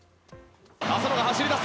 浅野が走り出す。